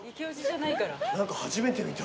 何か初めて見た。